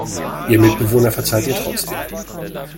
Ihr Mitbewohner verzeiht ihr trotzdem.